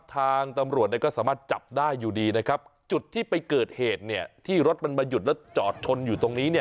ทางตำรวจก็สามารถจับได้อยู่ดีจุดที่ไปเกิดเหตุที่รถมันมาหยุดแล้วจอดชนอยู่ตรงนี้